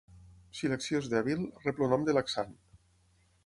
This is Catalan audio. Si l'acció és dèbil, rep el nom de laxant.